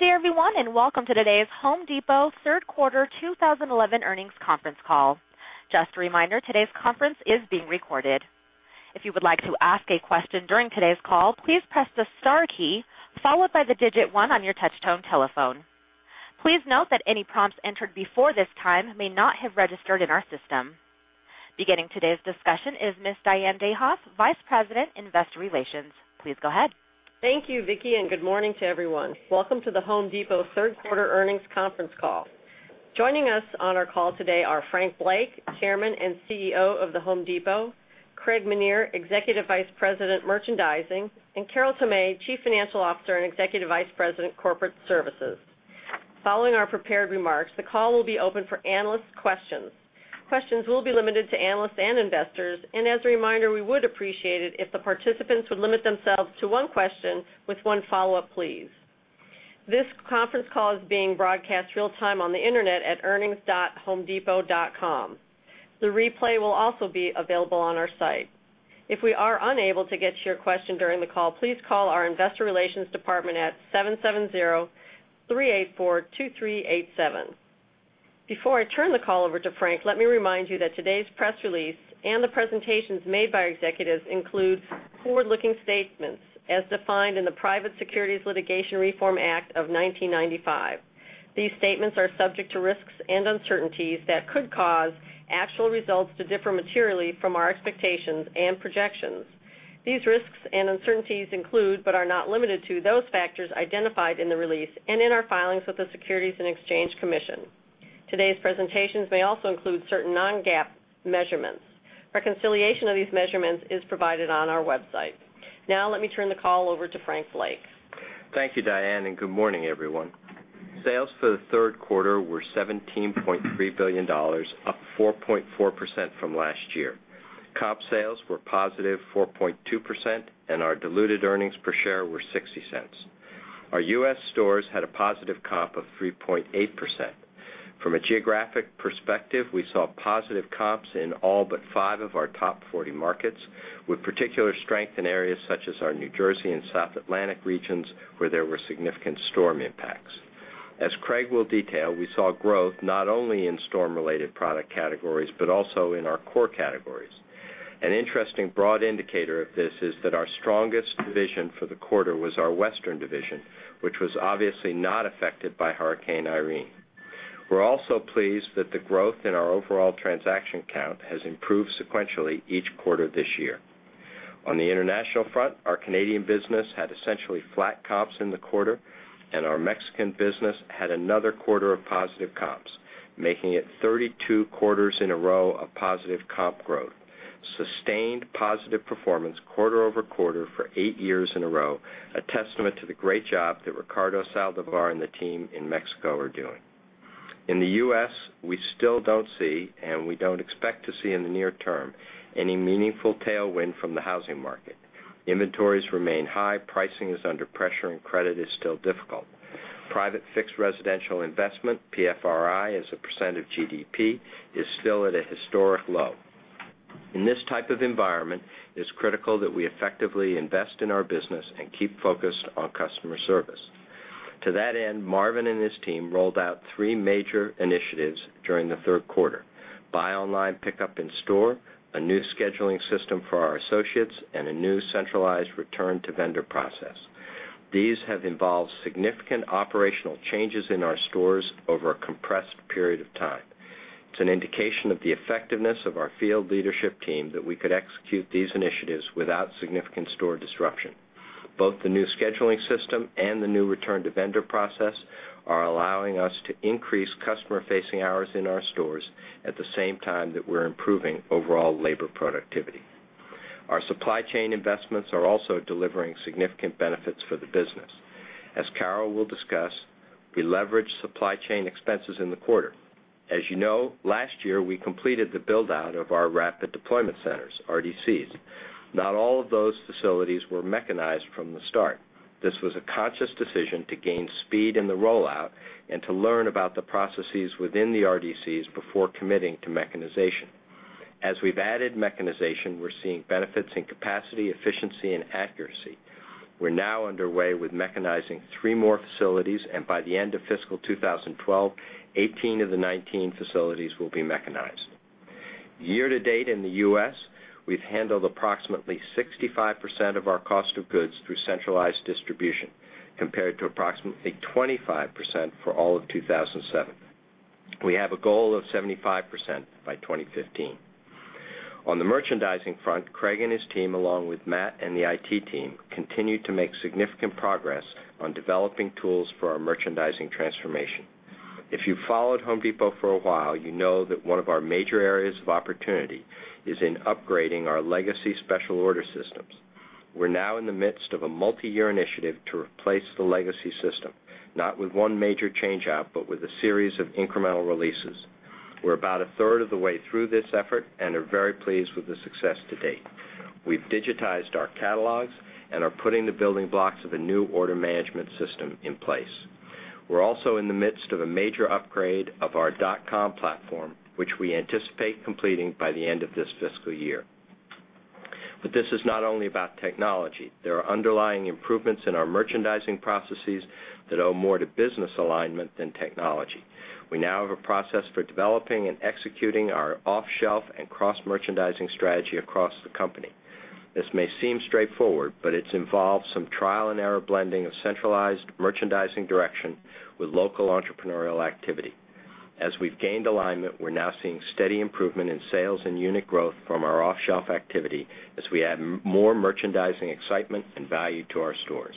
Good day, everyone, and welcome to today's Home Depot Third Quarter 2011 Earnings Conference Call. Just a reminder, today's conference is being recorded. If you would like to ask a question during today's call, please press the star key followed by the digit one on your touch-tone telephone. Please note that any prompts entered before this time may not have registered in our system. Beginning today's discussion is Ms. Diane Dayhoff, Vice President, Investor Relations. Please go ahead. Thank you, Vicky, and good morning to everyone. Welcome to The Home Depot third quarter earnings conference call. Joining us on our call today are Frank Blake, Chairman and CEO of The Home Depot; Craig Menear, Executive Vice President, Merchandising; and Carol Tomé, Chief Financial Officer and Executive Vice President, Corporate Services. Following our prepared remarks, the call will be open for analysts' questions. Questions will be limited to analysts and investors, and as a reminder, we would appreciate it if the participants would limit themselves to one question with one follow-up, please. This conference call is being broadcast real-time on the internet at earnings.homedepot.com. The replay will also be available on our site. If we are unable to get to your question during the call, please call our Investor Relations Department at 770-384-2387. Before I turn the call over to Frank, let me remind you that today's press release and the presentations made by our executives include forward-looking statements as defined in the Private Securities Litigation Reform Act of 1995. These statements are subject to risks and uncertainties that could cause actual results to differ materially from our expectations and projections. These risks and uncertainties include, but are not limited to, those factors identified in the release and in our filings with the Securities and Exchange Commission. Today's presentations may also include certain non-GAAP measurements. Reconciliation of these measurements is provided on our website. Now, let me turn the call over to Frank Blake. Thank you, Diane, and good morning, everyone. Sales for the third quarter were $17.3 billion, up 4.4% from last year. Comp sales were positive 4.2%, and our diluted earnings per share were $0.60. Our U.S. stores had a positive comp of 3.8%. From a geographic perspective, we saw positive comps in all but five of our top 40 markets, with particular strength in areas such as our New Jersey and South Atlantic regions where there were significant storm impacts. As Craig will detail, we saw growth not only in storm-related product categories but also in our core categories. An interesting broad indicator of this is that our strongest division for the quarter was our Western division, which was obviously not affected by Hurricane Irene. We're also pleased that the growth in our overall transaction count has improved sequentially each quarter this year. On the international front, our Canadian business had essentially flat comps in the quarter, and our Mexican business had another quarter of positive comps, making it 32 quarters in a row of positive comp growth. Sustained positive performance quarter over quarter for eight years in a row, a testament to the great job that Ricardo Saldívar and the team in Mexico are doing. In the U.S., we still don't see, and we don't expect to see in the near term any meaningful tailwind from the housing market. Inventories remain high, pricing is under pressure, and credit is still difficult. Private fixed residential investment, PFRI, as a percent of GDP, is still at a historic low. In this type of environment, it is critical that we effectively invest in our business and keep focused on customer service. To that end, Marvin and his team rolled out three major initiatives during the third quarter: buy online, pick up in-store, a new associate scheduling system for our associates, and a new centralized return-to-vendor process. These have involved significant operational changes in our stores over a compressed period of time. It's an indication of the effectiveness of our field leadership team that we could execute these initiatives without significant store disruption. Both the new associate scheduling system and the new centralized return-to-vendor process are allowing us to increase customer-facing hours in our stores at the same time that we're improving overall labor productivity. Our supply chain investments are also delivering significant benefits for the business. As Carol will discuss, we leverage supply chain expenses in the quarter. As you know, last year we completed the build-out of our Rapid Deployment Centers, RDCs. Not all of those facilities were mechanized from the start. This was a conscious decision to gain speed in the rollout and to learn about the processes within the RDCs before committing to mechanization. As we've added mechanization, we're seeing benefits in capacity, efficiency, and accuracy. We're now underway with mechanizing three more facilities, and by the end of fiscal 2012, 18 of the 19 facilities will be mechanized. Year to date in the U.S., we've handled approximately 65% of our cost of goods through centralized distribution, compared to approximately 25% for all of 2007. We have a goal of 75% by 2015. On the merchandising front, Craig and his team, along with Matt and the IT team, continue to make significant progress on developing tools for our merchandising transformation. If you've followed Home Depot for a while, you know that one of our major areas of opportunity is in upgrading our legacy special order systems. We're now in the midst of a multi-year initiative to replace the legacy system, not with one major change-out but with a series of incremental releases. We're about a third of the way through this effort and are very pleased with the success to date. We've digitized our catalogs and are putting the building blocks of a new order management system in place. We're also in the midst of a major upgrade of our dot-com platform, which we anticipate completing by the end of this fiscal year. This is not only about technology. There are underlying improvements in our merchandising processes that owe more to business alignment than technology. We now have a process for developing and executing our off-shelf and cross-merchandising strategy across the company. This may seem straightforward, but it's involved some trial-and-error blending of centralized merchandising direction with local entrepreneurial activity. As we've gained alignment, we're now seeing steady improvement in sales and unit growth from our off-shelf activity as we add more merchandising excitement and value to our stores.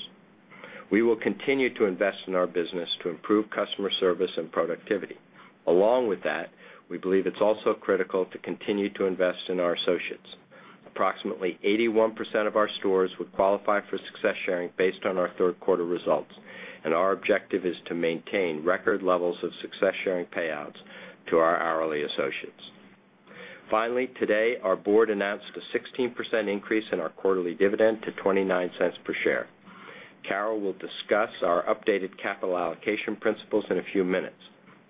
We will continue to invest in our business to improve customer service and productivity. Along with that, we believe it's also critical to continue to invest in our associates. Approximately 81% of our stores would qualify for success sharing based on our third quarter results, and our objective is to maintain record levels of success sharing payouts to our hourly associates. Finally, today our board announced a 16% increase in our quarterly dividend to $0.29 per share. Carol will discuss our updated capital allocation principles in a few minutes.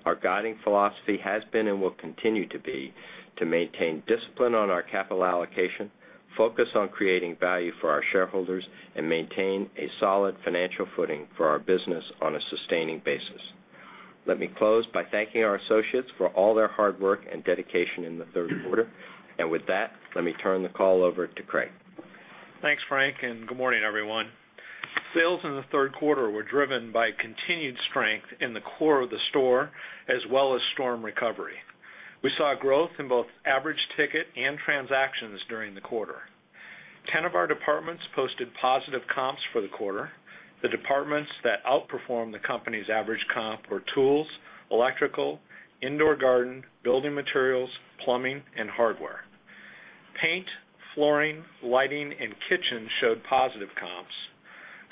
Our guiding philosophy has been and will continue to be to maintain discipline on our capital allocation, focus on creating value for our shareholders, and maintain a solid financial footing for our business on a sustaining basis. Let me close by thanking our associates for all their hard work and dedication in the third quarter, and with that, let me turn the call over to Craig. Thanks, Frank, and good morning, everyone. Sales in the third quarter were driven by continued strength in the core of the store as well as storm recovery. We saw growth in both average ticket and transactions during the quarter. Ten of our departments posted positive comps for the quarter. The departments that outperformed the company's average comp were tools, electrical, indoor garden, building materials, plumbing, and hardware. Paint, flooring, lighting, and kitchens showed positive comps.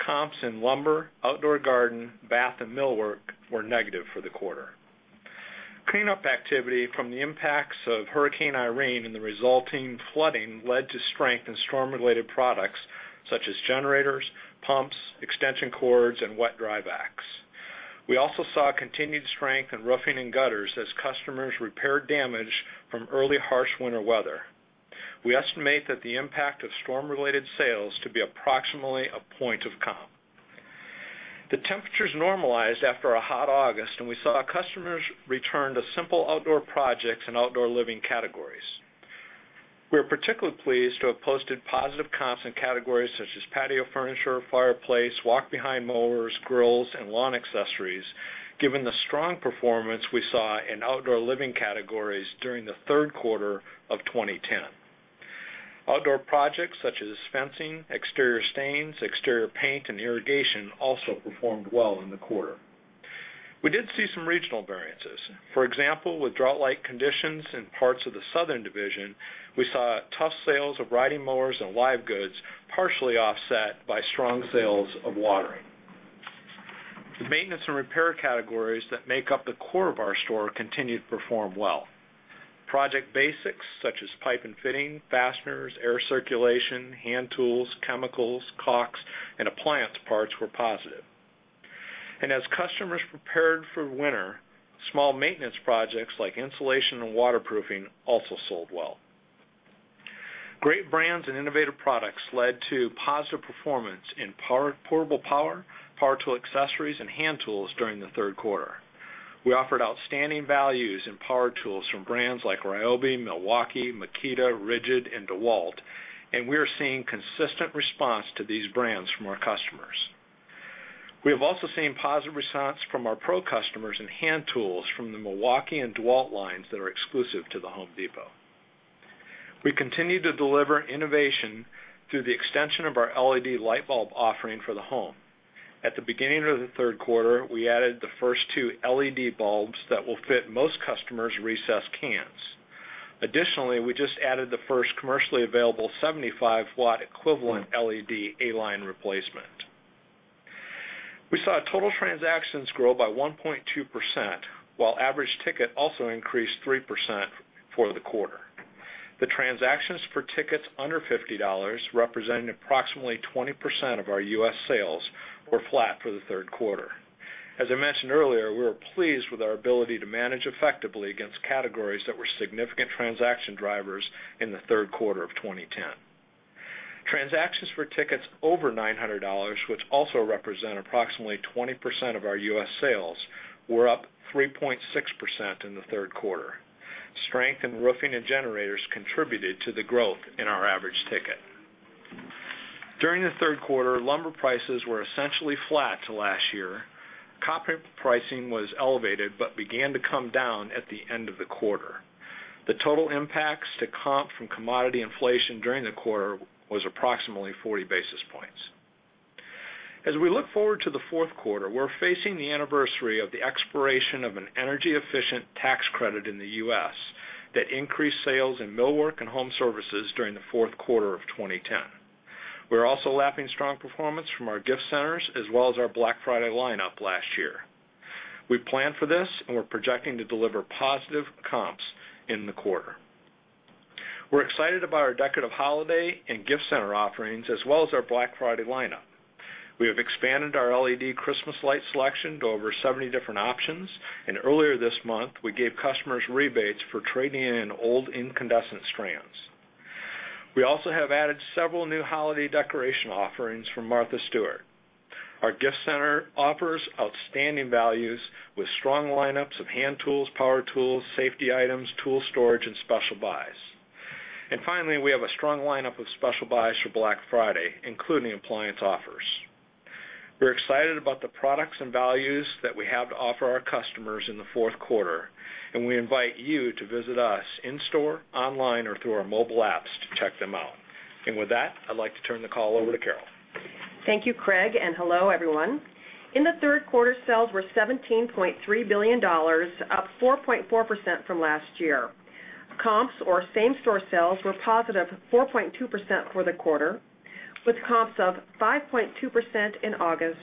Comps in lumber, outdoor garden, bath, and millwork were negative for the quarter. Cleanup activity from the impacts of Hurricane Irene and the resulting flooding led to strength in storm-related products such as generators, pumps, extension cords, and wet dry vacs. We also saw continued strength in roofing and gutters as customers repaired damage from early harsh winter weather. We estimate that the impact of storm-related sales to be approximately a point of comp. The temperatures normalized after a hot August, and we saw customers return to simple outdoor projects and outdoor living categories. We're particularly pleased to have posted positive comps in categories such as patio furniture, fireplace, walk-behind mowers, grills, and lawn accessories, given the strong performance we saw in outdoor living categories during the third quarter of 2010. Outdoor projects such as fencing, exterior stains, exterior paint, and irrigation also performed well in the quarter. We did see some regional variances. For example, with drought-like conditions in parts of the southern division, we saw tough sales of riding mowers and live goods partially offset by strong sales of watering. The maintenance and repair categories that make up the core of our store continue to perform well. Project basics such as pipe and fitting, fasteners, air circulation, hand tools, chemicals, caulks, and appliance parts were positive. As customers prepared for winter, small maintenance projects like insulation and waterproofing also sold well. Great brands and innovative products led to positive performance in portable power, power tool accessories, and hand tools during the third quarter. We offered outstanding values in power tools from brands like Ryobi, Milwaukee, Makita, Rigid, and DeWalt, and we are seeing consistent response to these brands from our customers. We have also seen positive response from our pro customers in hand tools from the Milwaukee and DeWalt lines that are exclusive to The Home Depot. We continue to deliver innovation through the extension of our LED light bulb offering for the home. At the beginning of the third quarter, we added the first two LED bulbs that will fit most customers' recessed cans. Additionally, we just added the first commercially available 75-W equivalent LED A-line replacement. We saw total transactions grow by 1.2%, while average ticket also increased 3% for the quarter. The transactions for tickets under $50, representing approximately 20% of our U.S. sales, were flat for the third quarter. As I mentioned earlier, we were pleased with our ability to manage effectively against categories that were significant transaction drivers in the third quarter of 2010. Transactions for tickets over $900, which also represent approximately 20% of our U.S. sales, were up 3.6% in the third quarter. Strength in roofing and generators contributed to the growth in our average ticket. During the third quarter, lumber prices were essentially flat to last year. Copper pricing was elevated but began to come down at the end of the quarter. The total impacts to comp from commodity inflation during the quarter were approximately 40 basis points. As we look forward to the fourth quarter, we're facing the anniversary of the expiration of an energy-efficient tax credit in the U.S. that increased sales in millwork and home services during the fourth quarter of 2010. We're also lapping strong performance from our gift centers as well as our Black Friday lineup last year. We planned for this, and we're projecting to deliver positive comps in the quarter. We're excited about our decorative holiday and gift center offerings as well as our Black Friday lineup. We have expanded our LED Christmas light selection to over 70 different options, and earlier this month, we gave customers rebates for trading in old incandescent strands. We also have added several new holiday decoration offerings from Martha Stewart. Our gift center offers outstanding values with strong lineups of hand tools, power tools, safety items, tool storage, and special buys. Finally, we have a strong lineup of special buys for Black Friday, including appliance offers. We're excited about the products and values that we have to offer our customers in the fourth quarter. We invite you to visit us in-store, online, or through our mobile apps to check them out. With that, I'd like to turn the call over to Carol. Thank you, Craig, and hello, everyone. In the third quarter, sales were $17.3 billion, up 4.4% from last year. Comps, or same-store sales, were positive 4.2% for the quarter, with comps of 5.2% in August,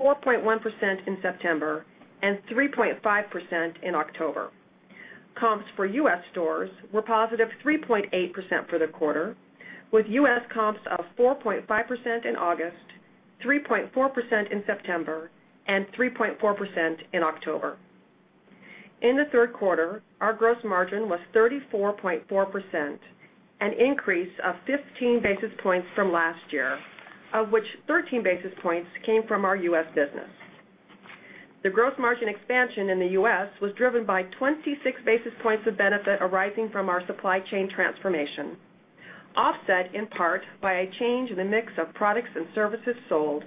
4.1% in September, and 3.5% in October. Comps for U.S. stores were positive 3.8% for the quarter, with U.S. comps of 4.5% in August, 3.4% in September, and 3.4% in October. In the third quarter, our gross margin was 34.4%, an increase of 15 basis points from last year, of which 13 basis points came from our U.S. business. The gross margin expansion in the U.S. was driven by 26 basis points of benefit arising from our supply chain transformation, offset in part by a change in the mix of products and services sold,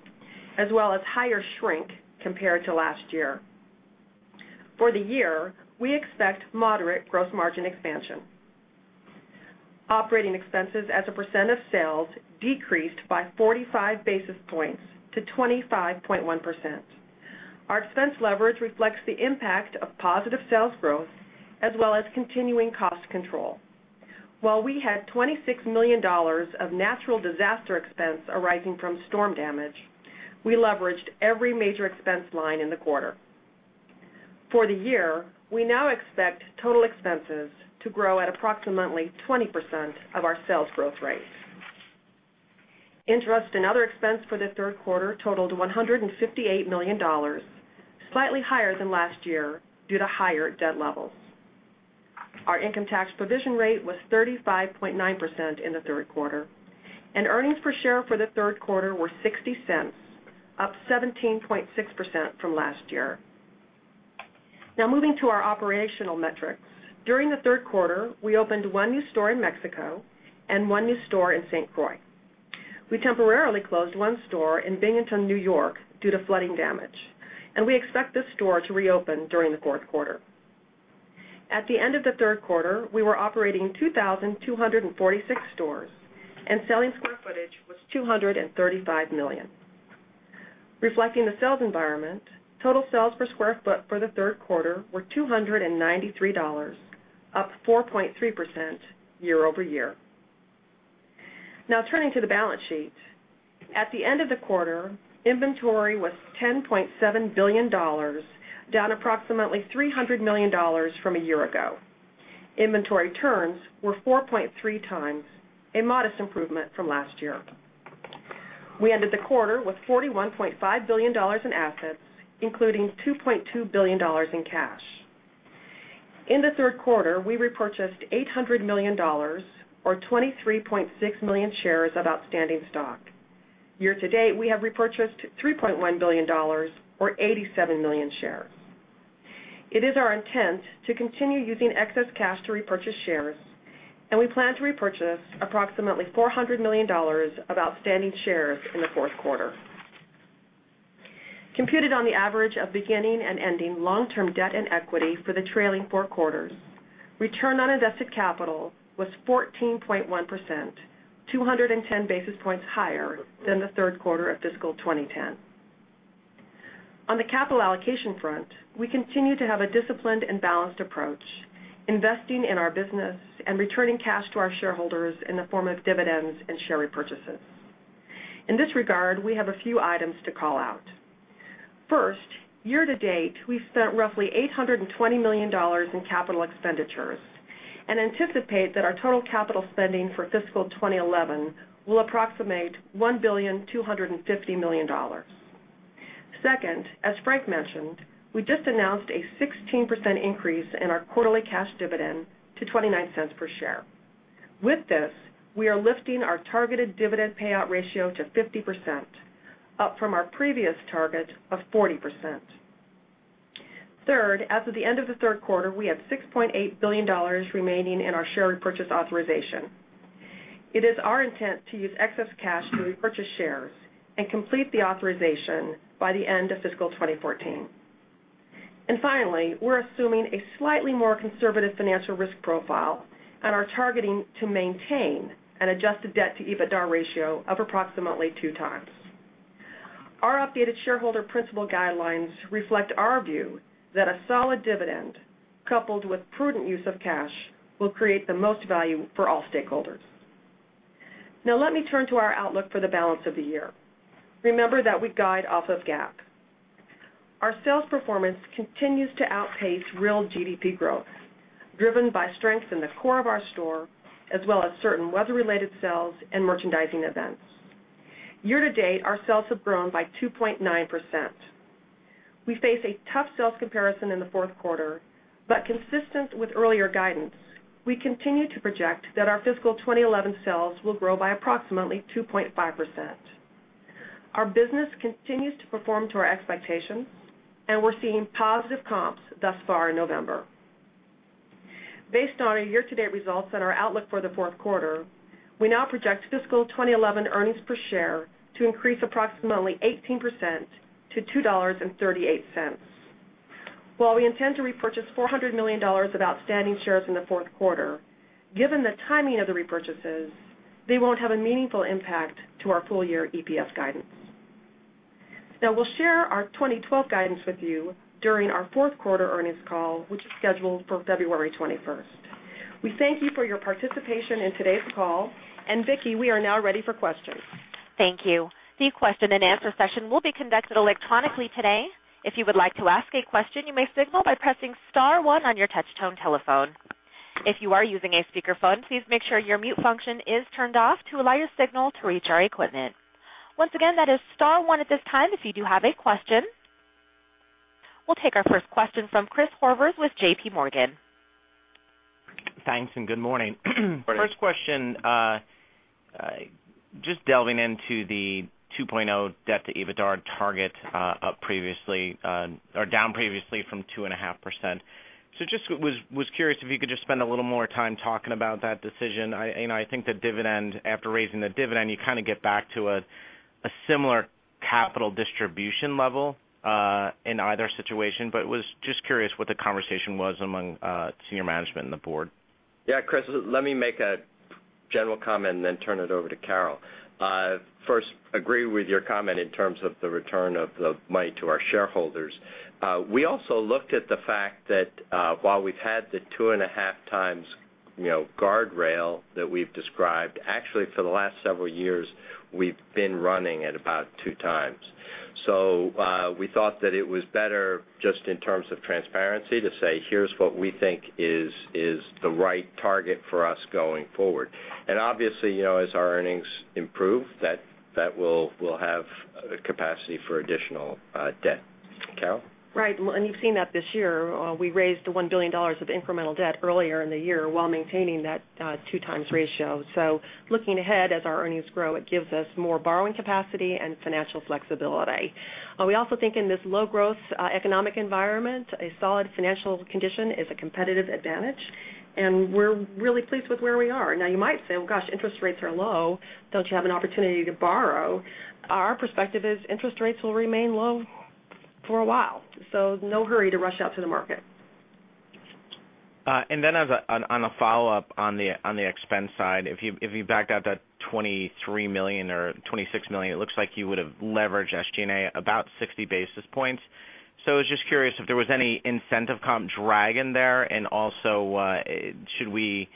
as well as higher shrink compared to last year. For the year, we expect moderate gross margin expansion. Operating expenses as a percent of sales decreased by 45 basis points to 25.1%. Our expense leverage reflects the impact of positive sales growth as well as continuing cost control. While we had $26 million of natural disaster expense arising from storm damage, we leveraged every major expense line in the quarter. For the year, we now expect total expenses to grow at approximately 20% of our sales growth rate. Interest and other expenses for the third quarter totaled $158 million, slightly higher than last year due to higher debt levels. Our income tax provision rate was 35.9% in the third quarter, and earnings per share for the third quarter were $0.60, up 17.6% from last year. Now, moving to our operational metrics, during the third quarter, we opened one new store in Mexico and one new store in St. Croix. We temporarily closed one store in Binghamton, New York, due to flooding damage, and we expect this store to reopen during the fourth quarter. At the end of the third quarter, we were operating 2,246 stores, and [sale in] square footage was 235 million sq ft. Reflecting the sales environment, total sales per square foot for the third quarter were $293, up 4.3% year-over-year. Now, turning to the balance sheet, at the end of the quarter, inventory was $10.7 billion, down approximately $300 million from a year ago. Inventory turns were 4.3x, a modest improvement from last year. We ended the quarter with $41.5 billion in assets, including $2.2 billion in cash. In the third quarter, we repurchased $800 million, or 23.6 million shares of outstanding stock. Year to date, we have repurchased $3.1 billion, or 87 million shares. It is our intent to continue using excess cash to repurchase shares, and we plan to repurchase approximately $400 million of outstanding shares in the fourth quarter. Computed on the average of beginning and ending long-term debt and equity for the trailing four quarters, return on invested capital was 14.1%, 210 basis points higher than the third quarter of fiscal 2010. On the capital allocation front, we continue to have a disciplined and balanced approach, investing in our business and returning cash to our shareholders in the form of dividends and share repurchases. In this regard, we have a few items to call out. First, year to date, we've spent roughly $820 million in capital expenditures and anticipate that our total capital spending for fiscal 2011 will approximate $1,250,000,000. Second, as Frank mentioned, we just announced a 16% increase in our quarterly cash dividend to $0.29 per share. With this, we are lifting our targeted dividend payout ratio to 50%, up from our previous target of 40%. Third, as of the end of the third quarter, we have $6.8 billion remaining in our share repurchase authorization. It is our intent to use excess cash to repurchase shares and complete the authorization by the end of fiscal 2014. Finally, we're assuming a slightly more conservative financial risk profile and are targeting to maintain an adjusted debt-to-EBITDA ratio of approximately 2x. Our updated shareholder principal guidelines reflect our view that a solid dividend, coupled with prudent use of cash, will create the most value for all stakeholders. Now, let me turn to our outlook for the balance of the year. Remember that we guide off of GAAP. Our sales performance continues to outpace real GDP growth, driven by strength in the core of our store as well as certain weather-related sales and merchandising events. Year to date, our sales have grown by 2.9%. We face a tough sales comparison in the fourth quarter, but consistent with earlier guidance, we continue to project that our fiscal 2011 sales will grow by approximately 2.5%. Our business continues to perform to our expectation, and we're seeing positive comps thus far in November. Based on our year-to-date results and our outlook for the fourth quarter, we now project fiscal 2011 earnings per share to increase approximately 18% to $2.38. While we intend to repurchase $400 million of outstanding shares in the fourth quarter, given the timing of the repurchases, they won't have a meaningful impact to our full-year earnings per share guidance. Now, we'll share our 2012 guidance with you during our fourth quarter earnings call, which is scheduled for February 21st. We thank you for your participation in today's call, and Vicky, we are now ready for questions. Thank you. The question and answer session will be conducted electronically today. If you would like to ask a question, you may signal by pressing star one on your touch-tone telephone. If you are using a speakerphone, please make sure your mute function is turned off to allow your signal to reach our equipment. Once again, that is star one at this time if you do have a question. We'll take our first question from Chris Horvers with JPMorgan. Thanks, and good morning. First question, just delving into the 2.0 debt-to-EBITDA target, up previously or down previously from 2.5%. I was curious if you could just spend a little more time talking about that decision. I think the dividend, after raising the dividend, you kind of get back to a similar capital distribution level in either situation. I was just curious what the conversation was among Senior Management and the Board. Yeah, Chris, let me make a general comment and then turn it over to Carol. First, I agree with your comment in terms of the return of the money to our shareholders. We also looked at the fact that while we've had the 2.5x guardrail that we've described, actually for the last several years, we've been running at about 2x. We thought that it was better just in terms of transparency to say, here's what we think is the right target for us going forward. Obviously, as our earnings improve, that will have capacity for additional debt. Carol? Right, and you've seen that this year. We raised the $1 billion of incremental debt earlier in the year while maintaining that two times ratio. Looking ahead, as our earnings grow, it gives us more borrowing capacity and financial flexibility. We also think in this low-growth economic environment, a solid financial condition is a competitive advantage, and we're really pleased with where we are. You might say, gosh, interest rates are low. Don't you have an opportunity to borrow? Our perspective is interest rates will remain low for a while, so no hurry to rush out to the market. On a follow-up on the expense side, if you backed out that $23 million or $26 million, it looks like you would have leveraged SG&A about 60 basis points. I was just curious if there was any incentive comp drag in there, and also should we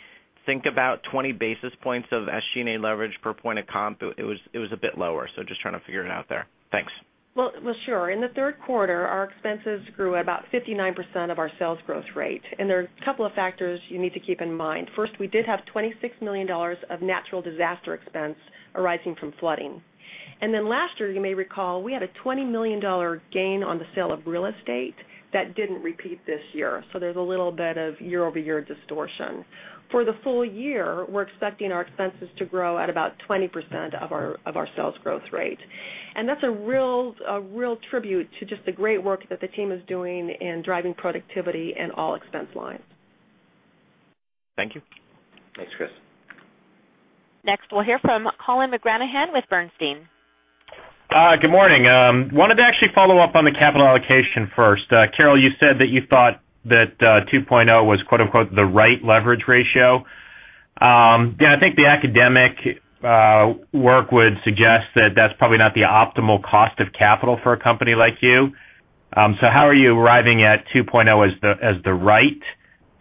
think about 20 basis points of SG&A leverage per point of comp? It was a bit lower, just trying to figure it out there. Thanks. In the third quarter, our expenses grew at about 59% of our sales growth rate, and there are a couple of factors you need to keep in mind. First, we did have $26 million of natural disaster expense arising from flooding. Last year, you may recall, we had a $20 million gain on the sale of real estate that didn't repeat this year. There's a little bit of year-over-year distortion. For the full year, we're expecting our expenses to grow at about 20% of our sales growth rate. That's a real tribute to just the great work that the team is doing in driving productivity in all expense lines. Thank you. Thanks, Chris. Next, we'll hear from Colin McGranahan with Bernstein. Good morning. Wanted to actually follow up on the capital allocation first. Carol, you said that you thought that 2.0 was "the right leverage ratio." I think the academic work would suggest that that's probably not the optimal cost of capital for a company like you. How are you arriving at 2.0 as the right?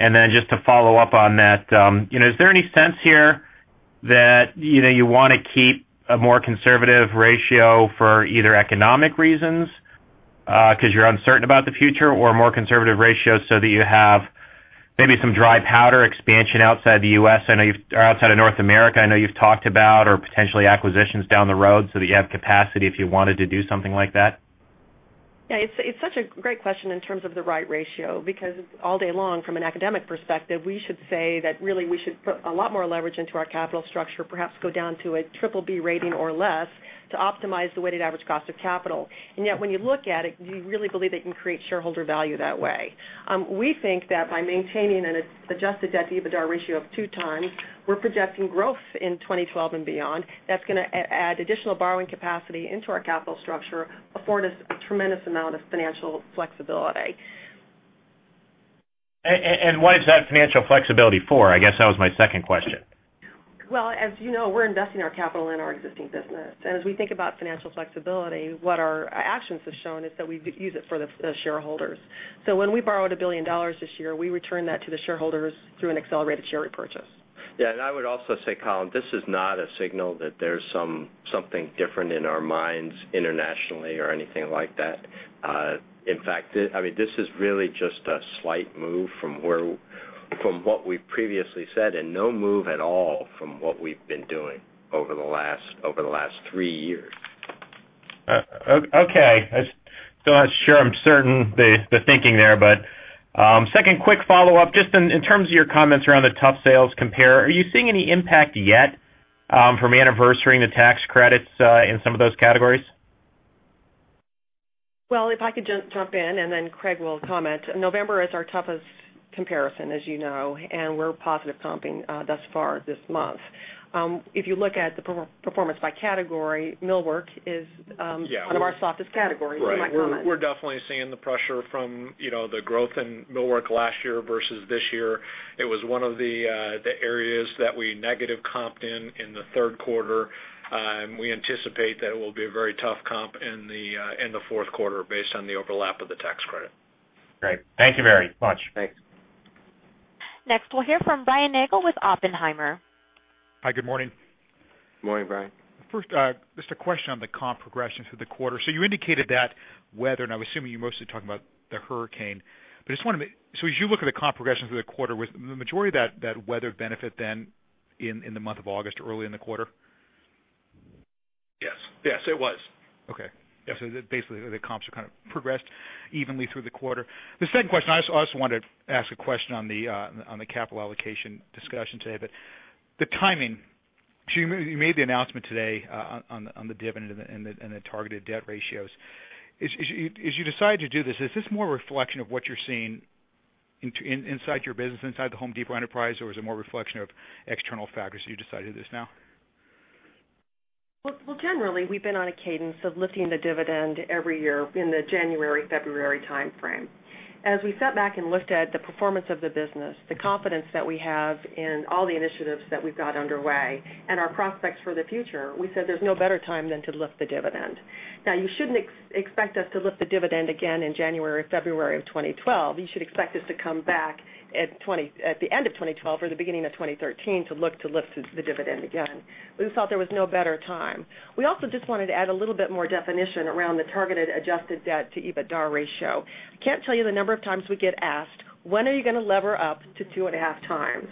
Just to follow up on that, is there any sense here that you want to keep a more conservative ratio for either economic reasons because you're uncertain about the future or a more conservative ratio so that you have maybe some dry powder expansion outside the U.S.? I know you're outside of North America. I know you've talked about or potentially acquisitions down the road so that you have capacity if you wanted to do something like that. Yeah, it's such a great question in terms of the right ratio because all day long, from an academic perspective, we should say that really we should put a lot more leverage into our capital structure, perhaps go down to a triple B rating or less to optimize the weighted average cost of capital. Yet when you look at it, you really believe that you can create shareholder value that way. We think that by maintaining an adjusted debt-to-EBITDA ratio of 2x, we're projecting growth in 2012 and beyond that's going to add additional borrowing capacity into our capital structure, affording us a tremendous amount of financial flexibility. What is that financial flexibility for? I guess that was my second question. As you know, we're investing our capital in our existing business. As we think about financial flexibility, what our actions have shown is that we use it for the shareholders. When we borrowed $1 billion this year, we returned that to the shareholders through an accelerated share repurchase. Yeah, I would also say, Colin, this is not a signal that there's something different in our minds internationally or anything like that. In fact, this is really just a slight move from what we previously said and no move at all from what we've been doing over the last three years. OK, I'm still not sure I'm certain the thinking there. Second quick follow-up, just in terms of your comments around the tough sales compare, are you seeing any impact yet from anniversary in the tax credits in some of those categories? If I could just jump in, and then Craig will comment. November is our toughest comparison, as you know, and we're positive comping thus far this month. If you look at the performance by category, millwork is one of our softest categories. Right. We're definitely seeing the pressure from the growth in millwork last year versus this year. It was one of the areas that we negative comped in in the third quarter. We anticipate that it will be a very tough comp in the fourth quarter based on the overlap of the tax credit. Great, thank you very much. Thanks. Next, we'll hear from Brian Nagel with Oppenheimer. Hi, good morning. Morning, Brian. First, just a question on the comp progression for the quarter. You indicated that weather, and I'm assuming you're mostly talking about the hurricane, but I just want to, as you look at the comp progression for the quarter, was the majority of that weather benefit then in the month of August, early in the quarter? Yes, yes, it was. OK, yeah, basically the comps are kind of progressed evenly through the quarter. The second question, I also wanted to ask a question on the capital allocation discussion today, but the timing, you made the announcement today on the dividend and the targeted debt ratios. As you decide to do this, is this more a reflection of what you're seeing inside your business, inside The Home Depot enterprise, or is it more a reflection of external factors as you decide to do this now? Generally, we've been on a cadence of lifting the dividend every year in the January-February time frame. As we sat back and looked at the performance of the business, the confidence that we have in all the initiatives that we've got underway, and our prospects for the future, we said there's no better time than to lift the dividend. Now, you shouldn't expect us to lift the dividend again in January-February of 2012. You should expect us to come back at the end of 2012 or the beginning of 2013 to look to lift the dividend again. We just thought there was no better time. We also just wanted to add a little bit more definition around the targeted adjusted debt-to-EBITDA ratio. I can't tell you the number of times we get asked, when are you going to lever up to 2.5x?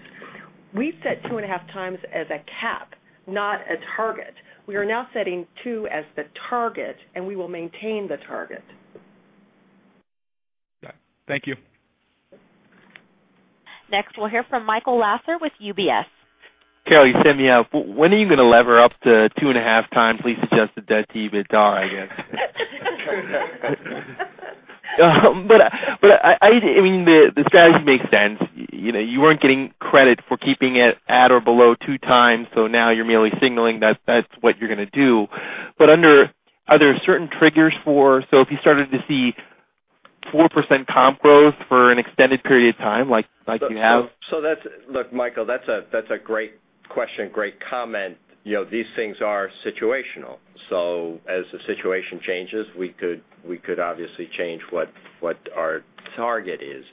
We set 2.5x as a cap, not a target. We are now setting 2x as the target, and we will maintain the target. Thank you. Next, we'll hear from Michael Lasser with UBS. Carol, you sent me a, when are you going to lever up to 2.5x least adjusted debt-to-EBITDA, I guess? The strategy makes sense. You weren't getting credit for keeping it at or below 2x, so now you're merely signaling that that's what you're going to do. Are there certain triggers for, if you started to see 4% comp growth for an extended period of time, like you have? That's, look, Michael, that's a great question, great comment. These things are situational. As the situation changes, we could obviously change what our target is.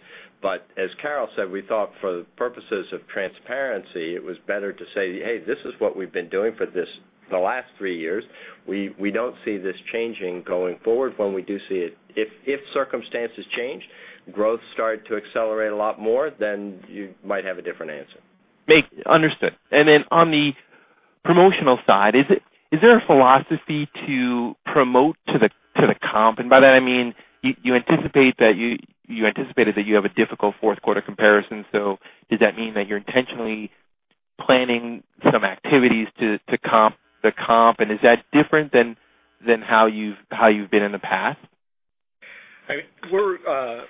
As Carol said, we thought for the purposes of transparency, it was better to say, hey, this is what we've been doing for the last three years. We don't see this changing going forward. If circumstances changed, growth started to accelerate a lot more, then you might have a different answer. Understood. On the promotional side, is there a philosophy to promote to the comp? By that, I mean you anticipated that you have a difficult fourth quarter comparison. Does that mean that you're intentionally planning some activities to comp the comp, and is that different than how you've been in the past?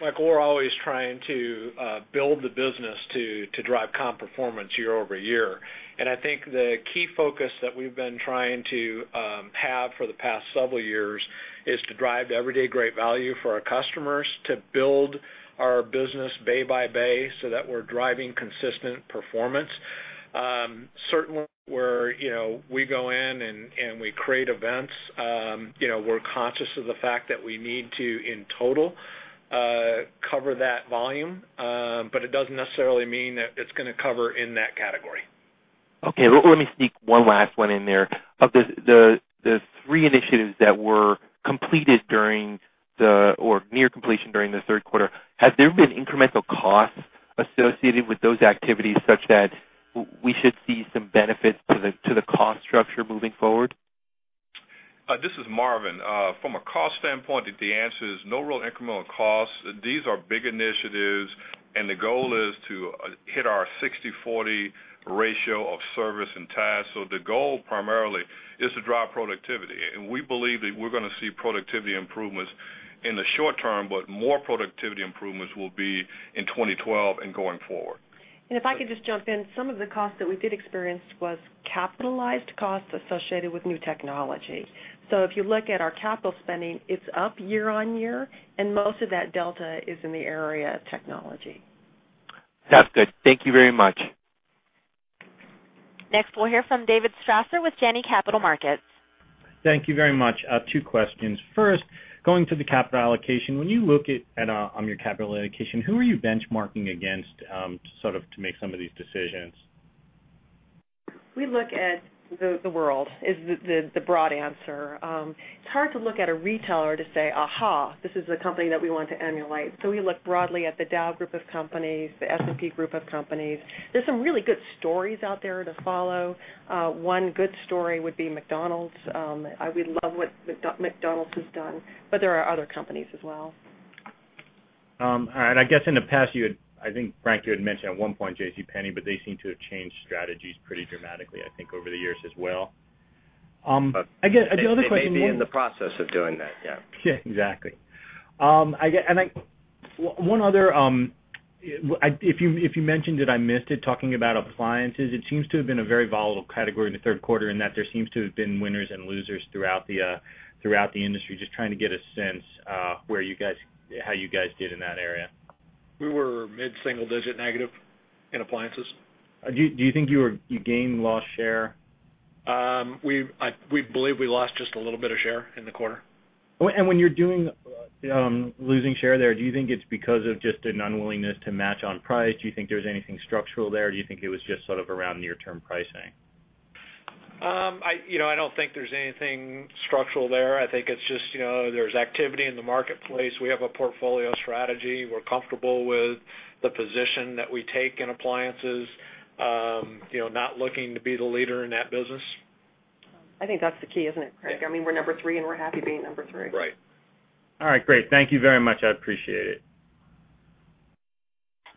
Michael, we're always trying to build the business to drive comp performance year-over-year. I think the key focus that we've been trying to have for the past several years is to drive the everyday great value for our customers, to build our business bay by bay so that we're driving consistent performance. Certainly, we go in and we create events. We're conscious of the fact that we need to, in total, cover that volume, but it doesn't necessarily mean that it's going to cover in that category. OK, let me sneak one last one in there. Of the three initiatives that were completed during or near completion during the third quarter, have there been incremental costs associated with those activities such that we should see some benefits to the cost structure moving forward? This is Marvin. From a cost standpoint, the answer is no real incremental costs. These are big initiatives, and the goal is to hit our 60/40 ratio of service and tax. The goal primarily is to drive productivity. We believe that we're going to see productivity improvements in the short term, but more productivity improvements will be in 2012 and going forward. Some of the costs that we did experience were capitalized costs associated with new technology. If you look at our capital spending, it's up year on year, and most of that delta is in the area of technology. That's good. Thank you very much. Next, we'll hear from David Strasser with Janney Capital Markets. Thank you very much. Two questions. First, going to the capital allocation, when you look at your capital allocation, who are you benchmarking against to sort of make some of these decisions? We look at the world, is the broad answer. It's hard to look at a retailer to say, aha, this is a company that we want to emulate. We look broadly at the Dow Group of companies, the S&P Group of companies. There are some really good stories out there to follow. One good story would be McDonald's. We love what McDonald's has done, but there are other companies as well. In the past, I think, Frank, you had mentioned at one point JCPenney, but they seem to have changed strategies pretty dramatically, I think, over the years as well. I guess the other question. We're in the process of doing that, yeah. Exactly. One other, if you mentioned it, I missed it, talking about appliances. It seems to have been a very volatile category in the third quarter in that there seems to have been winners and losers throughout the industry. Just trying to get a sense of how you guys did in that area. We were mid-single-digit negative in appliances. Do you think you gained lost share? We believe we lost just a little bit of share in the quarter. When you're losing share there, do you think it's because of just an unwillingness to match on price? Do you think there's anything structural there? Do you think it was just sort of around near-term pricing? I don't think there's anything structural there. I think it's just there's activity in the marketplace. We have a portfolio strategy. We're comfortable with the position that we take in appliances, not looking to be the leader in that business. I think that's the key, isn't it, Craig? I mean, we're number three, and we're happy being number three. Right. All right, great. Thank you very much. I appreciate it.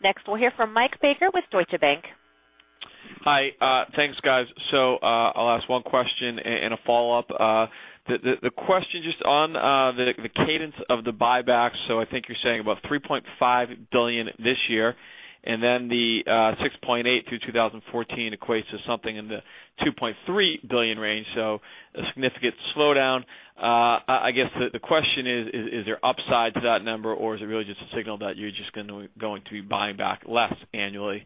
Next, we'll hear from Mike Baker with Deutsche Bank. Hi, thanks, guys. I'll ask one question and a follow-up. The question is just on the cadence of the buybacks. I think you're saying about $3.5 billion this year, and then the $6.8 billion through 2014 equates to something in the $2.3 billion range, so a significant slowdown. I guess the question is, is there upside to that number, or is it really just a signal that you're just going to be buying back less annually?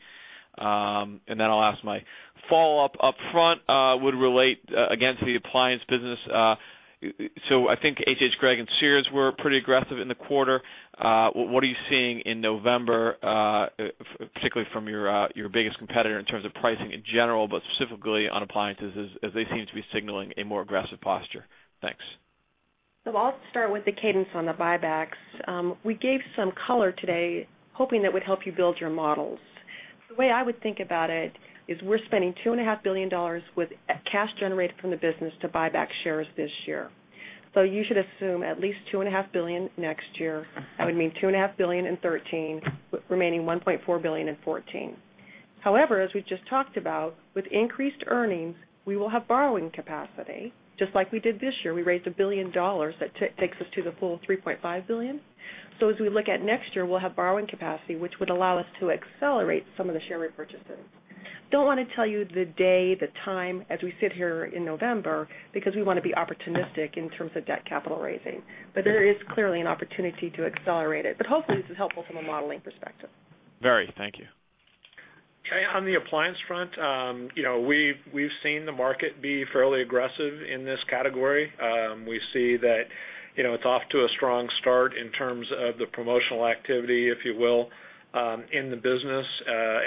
I'll ask my follow-up up front. I would relate, again, to the appliance business. I think hhgregg and Sears were pretty aggressive in the quarter. What are you seeing in November, particularly from your biggest competitor in terms of pricing in general, but specifically on appliances, as they seem to be signaling a more aggressive posture? Thanks. I'll start with the cadence on the buybacks. We gave some color today, hoping that would help you build your models. The way I would think about it is we're spending $2.5 billion with cash generated from the business to buy back shares this year. You should assume at least $2.5 billion next year. That would mean $2.5 billion in 2013, remaining $1.4 billion in 2014. However, as we just talked about, with increased earnings, we will have borrowing capacity, just like we did this year. We raised $1 billion. That takes us to the full $3.5 billion. As we look at next year, we'll have borrowing capacity, which would allow us to accelerate some of the share repurchases. I don't want to tell you the day, the time, as we sit here in November, because we want to be opportunistic in terms of debt capital raising. There is clearly an opportunity to accelerate it. Hopefully, this is helpful from a modeling perspective. Thank you. Okay. On the appliance front, we've seen the market be fairly aggressive in this category. We see that it's off to a strong start in terms of the promotional activity, if you will, in the business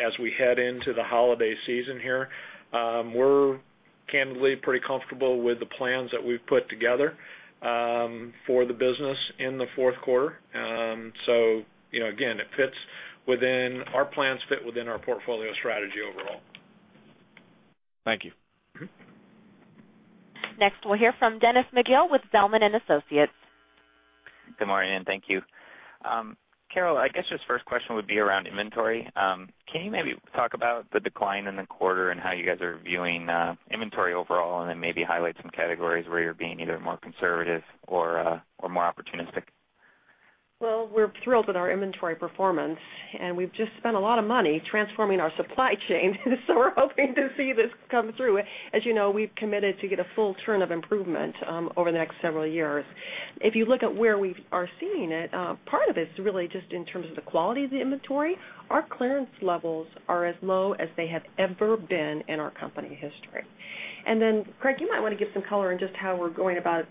as we head into the holiday season here. We're candidly pretty comfortable with the plans that we've put together for the business in the fourth quarter. It fits within our plans, fits within our portfolio strategy overall. Thank you. Next, we'll hear from Dennis McGill with Zelman & Associates. Good morning, and thank you. Carol, I guess this first question would be around inventory. Can you maybe talk about the decline in the quarter and how you guys are viewing inventory overall, and then maybe highlight some categories where you're being either more conservative or more opportunistic? We are thrilled in our inventory performance, and we've just spent a lot of money transforming our supply chain, so we're hoping to see this come through. As you know, we've committed to get a full turn of improvement over the next several years. If you look at where we are seeing it, part of it is really just in terms of the quality of the inventory. Our clearance levels are as low as they have ever been in our company history. Craig, you might want to give some color on just how we're going about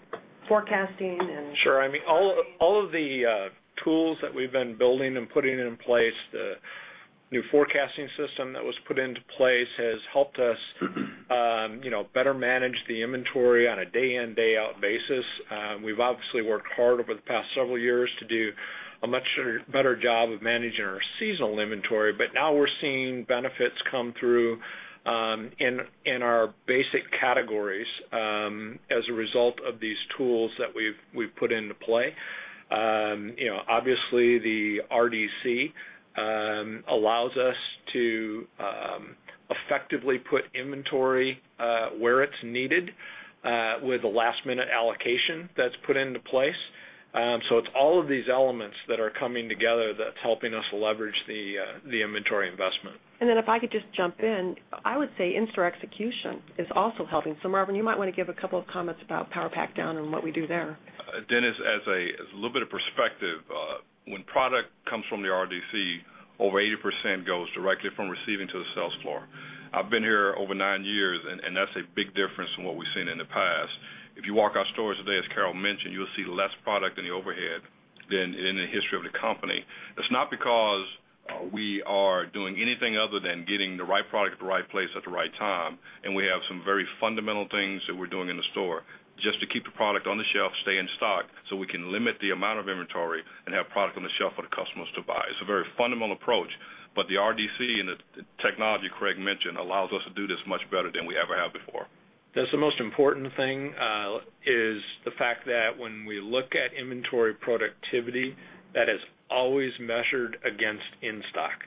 forecasting and. Sure. I mean, all of the tools that we've been building and putting in place, the new forecasting system that was put into place has helped us better manage the inventory on a day-in, day-out basis. We've obviously worked hard over the past several years to do a much better job of managing our seasonal inventory, but now we're seeing benefits come through in our basic categories as a result of these tools that we've put into play. Obviously, the RDC allow us to effectively put inventory where it's needed with a last-minute allocation that's put into place. It is all of these elements that are coming together that's helping us leverage the inventory investment. If I could just jump in, I would say in-store execution is also helping. Marvin, you might want to give a couple of comments about Power Pack Down and what we do there. Dennis, as a little bit of perspective, when product comes from the RDC, over 80% goes directly from receiving to the sales floor. I've been here over nine years, and that's a big difference from what we've seen in the past. If you walk our stores today, as Carol mentioned, you'll see less product in the overhead than in the history of the company. It's not because we are doing anything other than getting the right product at the right place at the right time, and we have some very fundamental things that we're doing in the store just to keep the product on the shelf, stay in stock, so we can limit the amount of inventory and have product on the shelf for the customers to buy. It's a very fundamental approach, but the RDC and the technology Craig mentioned allows us to do this much better than we ever have before. That's the most important thing, is the fact that when we look at inventory productivity, that is always measured against in-stock.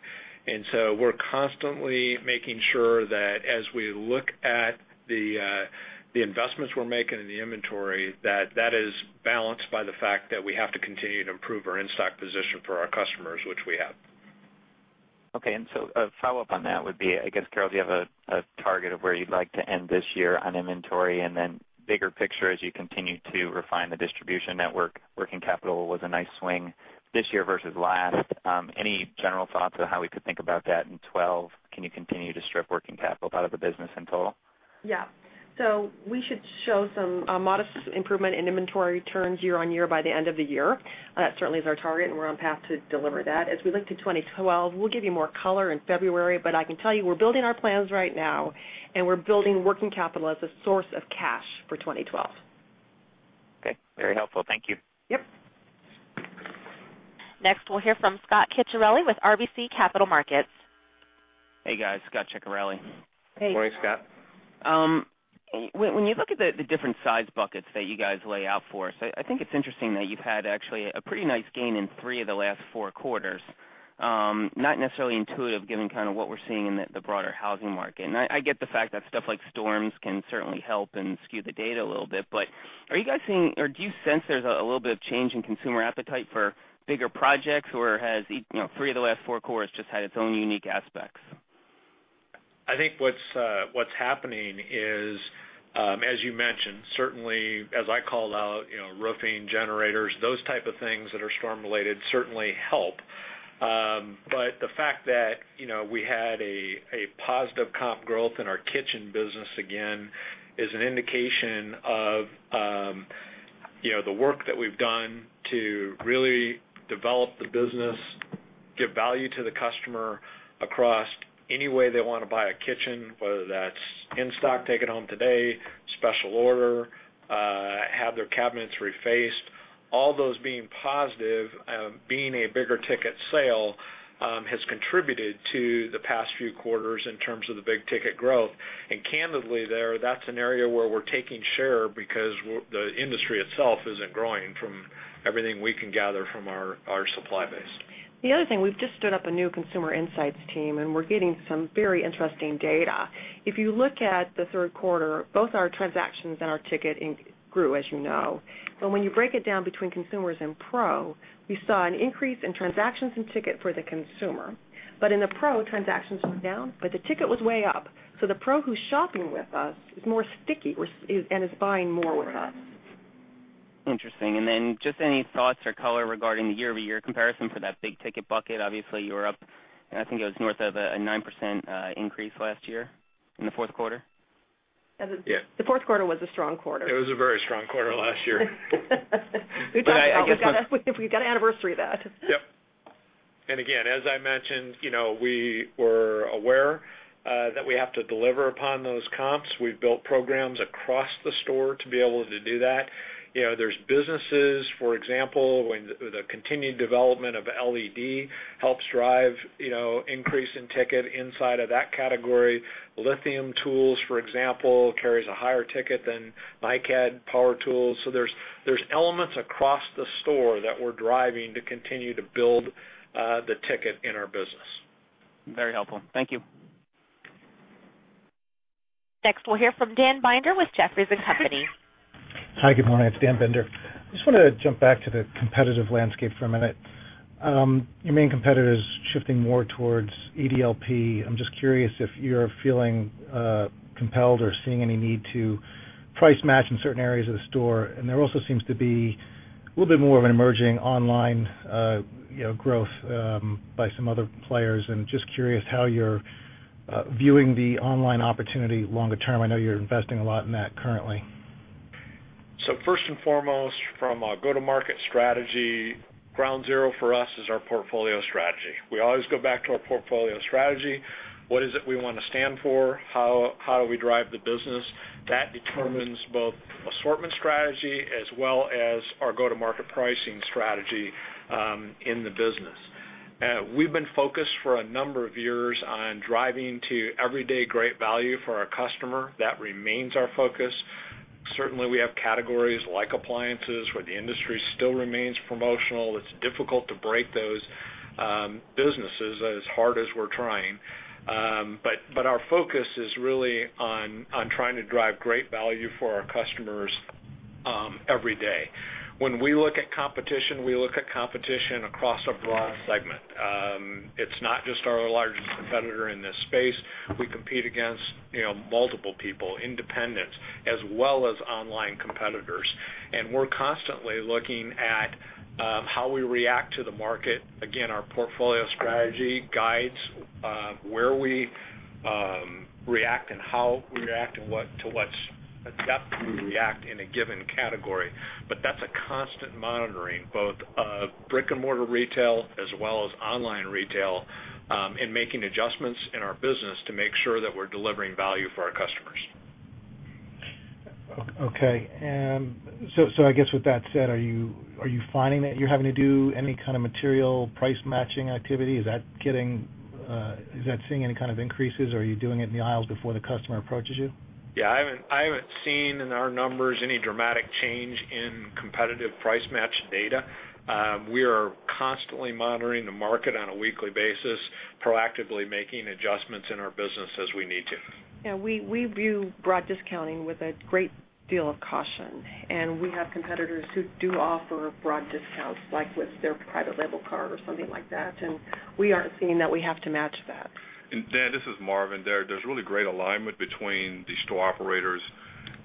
We're constantly making sure that as we look at the investments we're making in the inventory, that that is balanced by the fact that we have to continue to improve our in-stock position for our customers, which we have. OK, a follow-up on that would be, I guess, Carol, do you have a target of where you'd like to end this year on inventory, and then bigger picture as you continue to refine the distribution network? Working capital was a nice swing this year versus last. Any general thoughts of how we could think about that in 2012? Can you continue to strip working capital out of the business in total? We should show some modest improvement in inventory turns year on year by the end of the year. That certainly is our target, and we're on path to deliver that. As we look to 2012, we'll give you more color in February, but I can tell you we're building our plans right now, and we're building working capital as a source of cash for 2012. OK, very helpful. Thank you. Yep. Next, we'll hear from Scot Ciccarelli with RBC Capital Markets. Hey guys, Scot Ciccarelli. Hey. Good morning, Scott. When you look at the different size buckets that you guys lay out for us, I think it's interesting that you've had actually a pretty nice gain in three of the last four quarters. Not necessarily intuitive given kind of what we're seeing in the broader housing market. I get the fact that stuff like storms can certainly help and skew the data a little bit, but are you guys seeing or do you sense there's a little bit of change in consumer appetite for bigger projects, or has three of the last four quarters just had its own unique aspects? I think what's happening is, as you mentioned, certainly, as I called out, roofing, generators, those types of things that are storm-related certainly help. The fact that we had a positive comp growth in our kitchen business again is an indication of the work that we've done to really develop the business, give value to the customer across any way they want to buy a kitchen, whether that's in stock, take it home today, special order, have their cabinets refaced. All those being positive, being a bigger ticket sale has contributed to the past few quarters in terms of the big ticket growth. Candidly, that's an area where we're taking share because the industry itself isn't growing from everything we can gather from our supply base. The other thing, we've just stood up a new consumer insights team, and we're getting some very interesting data. If you look at the third quarter, both our transactions and our ticket grew, as you know. When you break it down between consumers and pro, we saw an increase in transactions and ticket for the consumer. In the pro, transactions were down, but the ticket was way up. The pro who's shopping with us is more sticky and is buying more with us. Interesting. Any thoughts or color regarding the year-over-year comparison for that big ticket bucket? Obviously, you were up, and I think it was north of a 9% increase last year in the fourth quarter. The fourth quarter was a strong quarter. It was a very strong quarter last year. We've got anniversary of that. Yes. As I mentioned, we were aware that we have to deliver upon those comps. We've built programs across the store to be able to do that. There are businesses, for example, when the continued development of LED helps drive increase in ticket inside of that category. Lithium tools, for example, carries a higher ticket than Mike had, power tools. There are elements across the store that we're driving to continue to build the ticket in our business. Very helpful. Thank you. Next, we'll hear from Dan Binder with Jefferies & Company. Hi, good morning. It's Dan Binder. I just wanted to jump back to the competitive landscape for a minute. Your main competitor is shifting more towards EDLP. I'm just curious if you're feeling compelled or seeing any need to price match in certain areas of the store. There also seems to be a little bit more of an emerging online growth by some other players. I'm just curious how you're viewing the online opportunity longer term. I know you're investing a lot in that currently. First and foremost, from a go-to-market strategy, ground zero for us is our portfolio strategy. We always go back to our portfolio strategy. What is it we want to stand for? How do we drive the business? That determines both assortment strategy as well as our go-to-market pricing strategy in the business. We've been focused for a number of years on driving to everyday great value for our customer. That remains our focus. Certainly, we have categories like appliances where the industry still remains promotional. It's difficult to break those businesses as hard as we're trying. Our focus is really on trying to drive great value for our customers every day. When we look at competition, we look at competition across a broad segment. It's not just our largest competitor in this space. We compete against multiple people, independents, as well as online competitors. We're constantly looking at how we react to the market. Again, our portfolio strategy guides where we react and how we react and to what depth we react in a given category. That's a constant monitoring, both brick-and-mortar retail as well as online retail, and making adjustments in our business to make sure that we're delivering value for our customers. I guess with that said, are you finding that you're having to do any kind of material price matching activity? Is that seeing any kind of increases, or are you doing it in the aisle before the customer approaches you? Yeah, I haven't seen in our numbers any dramatic change in competitive price match data. We are constantly monitoring the market on a weekly basis, proactively making adjustments in our business as we need to. We view broad discounting with a great deal of caution. We have competitors who do offer broad discounts, like with their private label card or something like that. We aren't seeing that we have to match that. This is Marvin. There is really great alignment between the store operators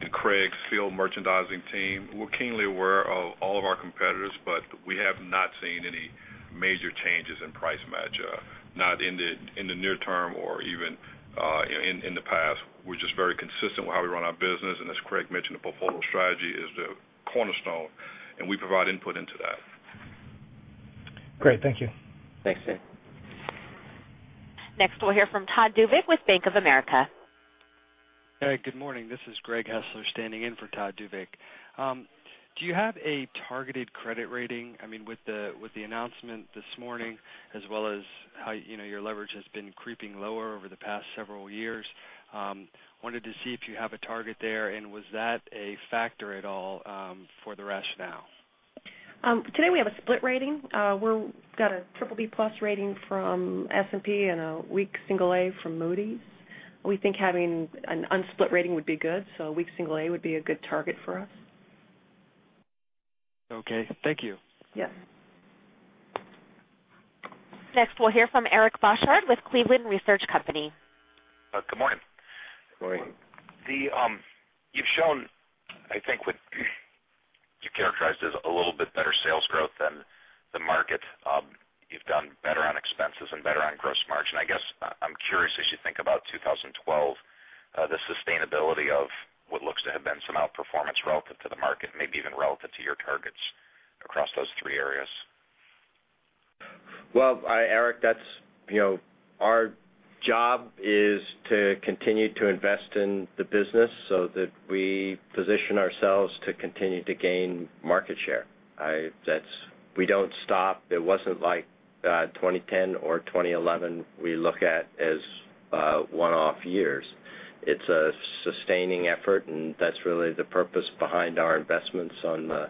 and Craig's field merchandising team. We are keenly aware of all of our competitors, but we have not seen any major changes in price match, not in the near term or even in the past. We are just very consistent with how we run our business. As Craig mentioned, the portfolio strategy is the cornerstone, and we provide input into that. Great, thank you. Thanks, Dan. Next, we'll hear from Todd Duvic with Bank of America. Hey, good morning. This is Greg Hessler standing in for Todd Duvic. Do you have a targeted credit rating? I mean, with the announcement this morning, as well as how your leverage has been creeping lower over the past several years, I wanted to see if you have a target there, and was that a factor at all for the rationale? Today, we have a split rating. We've got a triple B+ rating from S&P and a weak single A from Moody's. We think having an unsplit rating would be good, so a weak single A would be a good target for us. OK, thank you. Yes. Next, we'll hear from Eric Bosshard with Cleveland Research Company. Good morning. Good morning. You've shown, I think, what you characterized as a little bit better sales growth than the market. You've done better on expenses and better on gross margin. I guess I'm curious, as you think about 2012, the sustainability of what looks to have been some outperformance relative to the market, maybe even relative to your targets across those three areas? Our job is to continue to invest in the business so that we position ourselves to continue to gain market share. We don't stop. It wasn't like 2010 or 2011 we look at as one-off years. It's a sustaining effort, and that's really the purpose behind our investments on the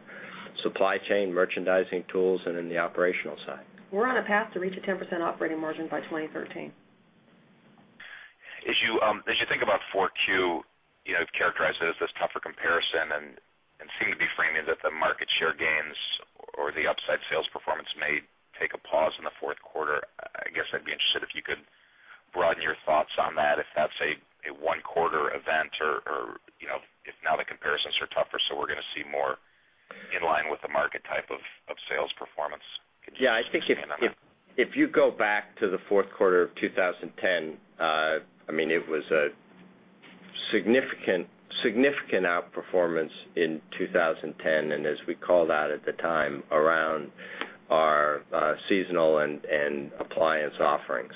supply chain, merchandising tools, and in the operational side. We're on a path to reach a 10% operating margin by 2013. As you think about 4Q, you know I've characterized it as this tougher comparison, and seeming to be framing it that the market share gains or the upside sales performance may take a pause in the fourth quarter. I guess I'd be interested if you could broaden your thoughts on that, if that's a one-quarter event or if now the comparisons are tougher, so we're going to see more in line with the market type of sales performance. Yeah, I think if you go back to the fourth quarter of 2010, I mean, it was a significant outperformance in 2010, and as we called out at the time around our seasonal and appliance offerings.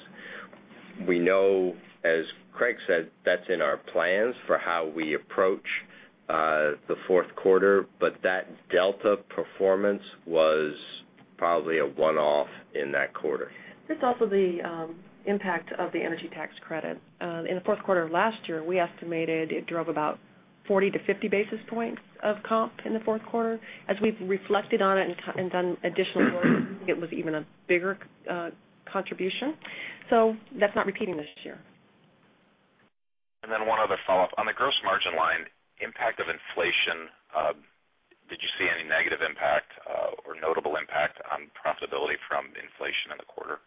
We know, as Craig said, that's in our plans for how we approach the fourth quarter, but that delta performance was probably a one-off in that quarter. That's also the impact of the energy tax credit. In the fourth quarter of last year, we estimated it drove about 40-50 basis points of comp in the fourth quarter. As we've reflected on it and done additional work, it was even a bigger contribution. That's not repeating this year. One other follow-up. On the gross margin line, impact of inflation, did you see any negative impact or notable impact on profitability from inflation in the quarter?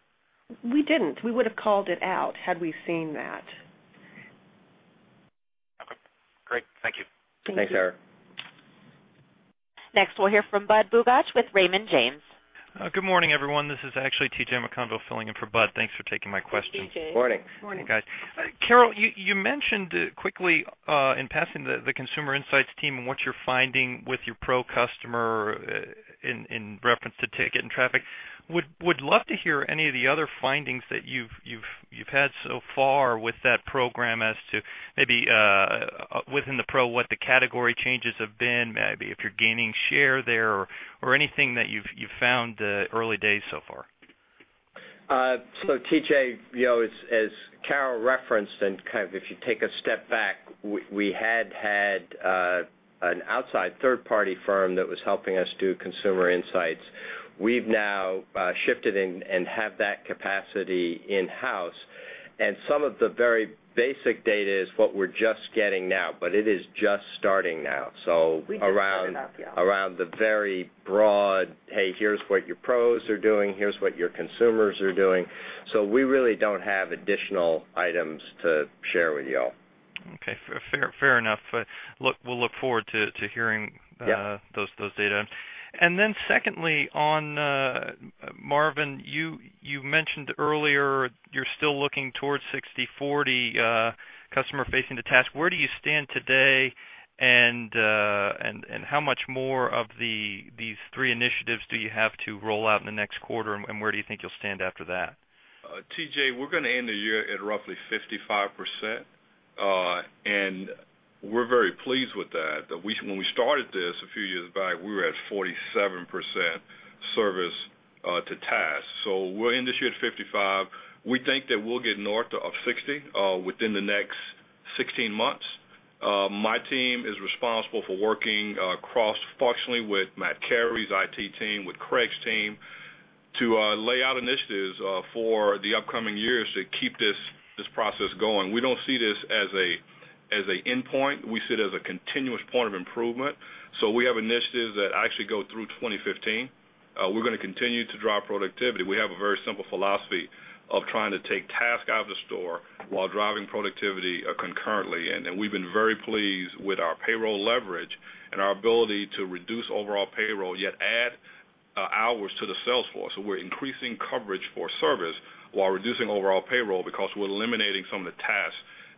We did not. We would have called it out had we seen that. OK, great. Thank you. Thank you. Thanks, Eric. Next, we'll hear from Budd Bugatch with Raymond James. Good morning, everyone. This is actually TJ McConville filling in for Budd. Thanks for taking my questions. Good morning. Hey, guys. Carol, you mentioned quickly in passing the consumer insights team and what you're finding with your pro customer in reference to ticket and traffic. Would love to hear any of the other findings that you've had so far with that program as to maybe within the pro what the category changes have been, maybe if you're gaining share there, or anything that you've found early days so far. TJ, as Carol referenced, and if you take a step back, we had had an outside third-party firm that was helping us do consumer insights. We've now shifted and have that capacity in-house, and some of the very basic data is what we're just getting now, but it is just starting now. We can't do that, yeah. Around the very broad, hey, here's what your pros are doing, here's what your consumers are doing. We really don't have additional items to share with you all. OK, fair enough. We'll look forward to hearing those data. Secondly, Marvin, you mentioned earlier you're still looking towards 60/40 customer-facing to task. Where do you stand today, how much more of these three initiatives do you have to roll out in the next quarter, and where do you think you'll stand after that? TJ, we're going to end the year at roughly 55%, and we're very pleased with that. When we started this a few years back, we were at 47% service to task. We'll end this year at 55%. We think that we'll get north of 60% within the next 16 months. My team is responsible for working cross-functionally with Matt Carey's IT team, with Craig's team, to lay out initiatives for the upcoming years to keep this process going. We don't see this as an endpoint. We see it as a continuous point of improvement. We have initiatives that actually go through 2015. We're going to continue to drive productivity. We have a very simple philosophy of trying to take task out of the store while driving productivity concurrently. We've been very pleased with our payroll leverage and our ability to reduce overall payroll, yet add hours to the sales floor. We're increasing coverage for service while reducing overall payroll because we're eliminating some of the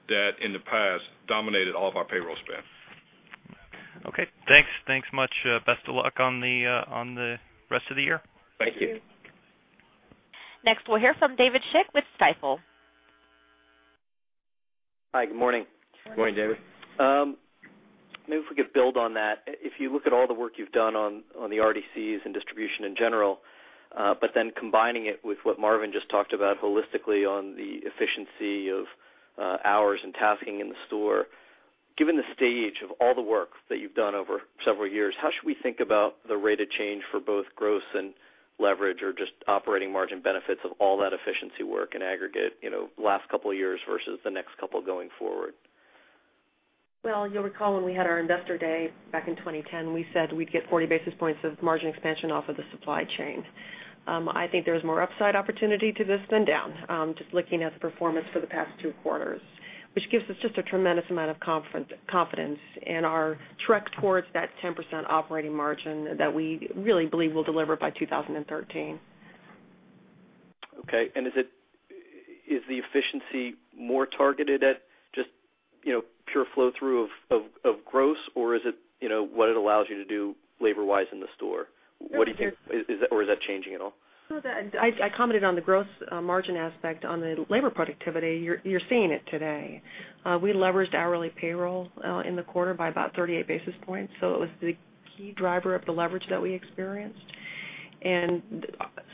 tasks that in the past dominated all of our payroll spend. OK, thanks. Thanks much. Best of luck on the rest of the year. Thank you. Next, we'll hear from David Schick with Stifel. Hi, good morning. Good morning, David. Maybe if we could build on that. If you look at all the work you've done on the RDCs and distribution in general, but then combining it with what Marvin just talked about holistically on the efficiency of hours and tasking in the store, given the stage of all the work that you've done over several years, how should we think about the rate of change for both gross and leverage or just operating margin benefits of all that efficiency work in aggregate, last couple of years versus the next couple going forward? You’ll recall when we had our investor day back in 2010, we said we’d get 40 basis points of margin expansion off of the supply chain. I think there was more upside opportunity to this than down, just looking at the performance for the past two quarters, which gives us just a tremendous amount of confidence in our trek towards that 10% operating margin that we really believe we’ll deliver by 2013. OK, is the efficiency more targeted at just pure flow-through of gross, or is it what it allows you to do labor-wise in the store? What do you think, or is that changing at all? I commented on the gross margin aspect. On the labor productivity, you're seeing it today. We leveraged hourly payroll in the quarter by about 38 basis points, which was the key driver of the leverage that we experienced.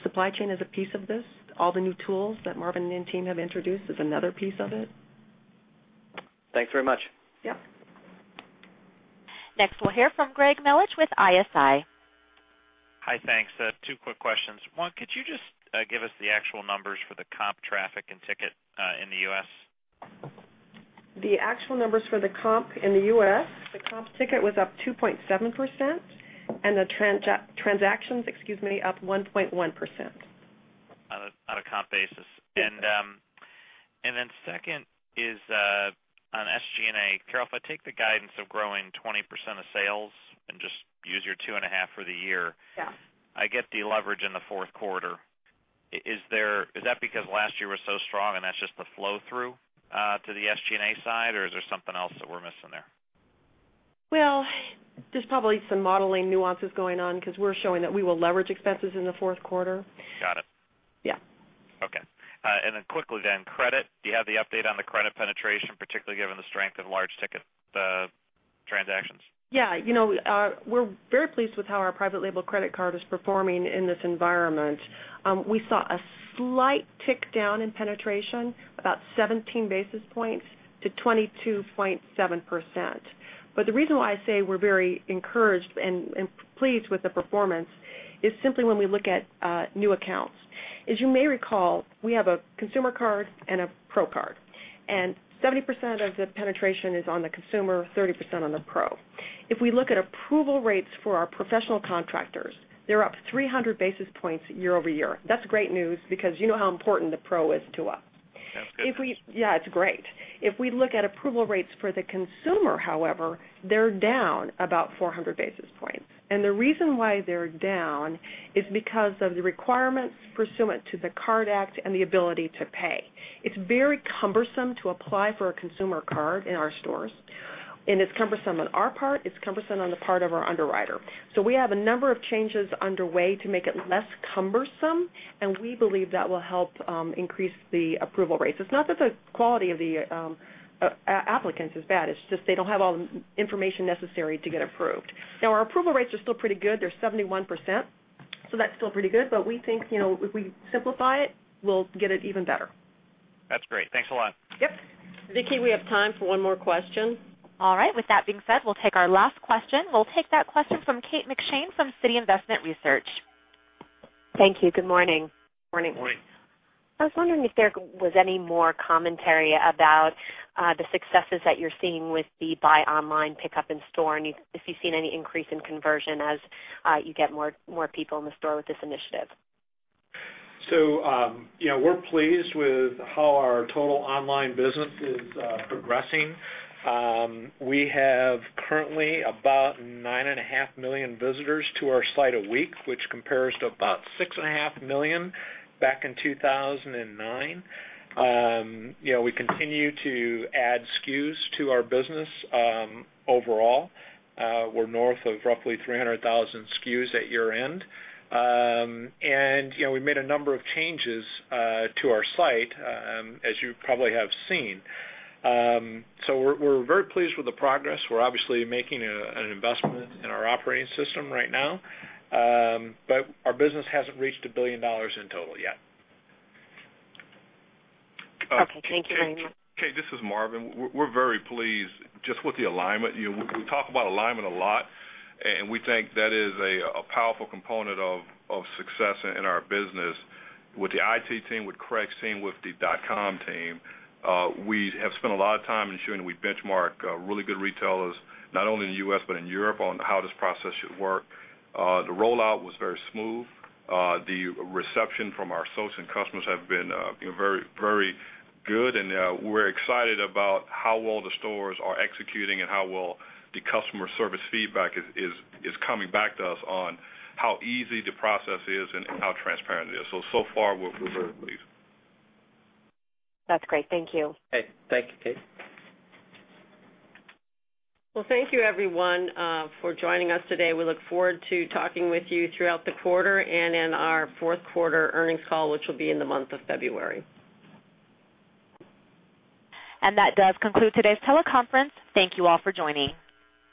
Supply chain is a piece of this. All the new tools that Marvin and his team have introduced is another piece of it. Thanks very much. Yep. Next, we'll hear from Greg Melich with ISI. Hi, thanks. Two quick questions. One, could you just give us the actual numbers for the comp traffic and ticket in the U.S.? The actual numbers for the comp in the U.S., the comp ticket was up 2.7%, and the transactions up 1.1%. On a comp basis. The second is on SG&A. Carol, if I take the guidance of growing 20% of sales and just use your 2.5% for the year, I get the leverage in the fourth quarter. Is that because last year was so strong and that's just the flow-through to the SG&A side, or is there something else that we're missing there? There are probably some modeling nuances going on because we're showing that we will leverage expenses in the fourth quarter. Got it. Yeah. OK. Quickly, credit. Do you have the update on the credit penetration, particularly given the strength in large ticket transactions? Yeah, you know we're very pleased with how our private label credit card is performing in this environment. We saw a slight tick down in penetration, about 17 basis points to 22.7%. The reason why I say we're very encouraged and pleased with the performance is simply when we look at new accounts. As you may recall, we have a consumer card and a pro card. 70% of the penetration is on the consumer, 30% on the pro. If we look at approval rates for our professional contractors, they're up 300 basis points year-over-year. That's great news because you know how important the pro is to us. That's good. Yeah, it's great. If we look at approval rates for the consumer, however, they're down about 400 basis points. The reason why they're down is because of the requirements pursuant to the CARD Act and the ability to pay. It's very cumbersome to apply for a consumer card in our stores, and it's cumbersome on our part. It's cumbersome on the part of our underwriter. We have a number of changes underway to make it less cumbersome, and we believe that will help increase the approval rates. It's not that the quality of the applicants is bad. It's just they don't have all the information necessary to get approved. Now, our approval rates are still pretty good. They're 71%, so that's still pretty good. We think if we simplify it, we'll get it even better. That's great. Thanks a lot. Yep. Vicky, we have time for one more question. All right, with that being said, we'll take our last question. We'll take that question from Kate McShane from Citi Investment Research. Thank you. Good morning. Morning. I was wondering if there was any more commentary about the successes that you're seeing with the buy online, pick up in-store, and if you've seen any increase in conversion as you get more people in the store with this initiative. We're pleased with how our total online business is progressing. We have currently about 9.5 million visitors to our site a week, which compares to about 6.5 million back in 2009. We continue to add SKUs to our business overall. We're north of roughly 300,000 SKUs at year end, and we've made a number of changes to our site, as you probably have seen. We're very pleased with the progress. We're obviously making an investment in our operating system right now, but our business hasn't reached $1 billion in total yet. OK, thank you very much. OK, this is Marvin. We're very pleased just with the alignment. We talk about alignment a lot, and we think that is a powerful component of success in our business. With the IT team, with Craig's team, with the dot-com team, we have spent a lot of time ensuring that we benchmark really good retailers, not only in the U.S. but in Europe, on how this process should work. The rollout was very smooth. The reception from our associate customers has been very, very good, and we're excited about how well the stores are executing and how well the customer service feedback is coming back to us on how easy the process is and how transparent it is. So far, we're very pleased. That's great. Thank you. Thank you, Kate. Thank you, everyone, for joining us today. We look forward to talking with you throughout the quarter and in our fourth quarter earnings call, which will be in the month of February. That does conclude today's teleconference. Thank you all for joining.